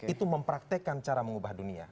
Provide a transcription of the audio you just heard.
itu mempraktekan cara mengubah dunia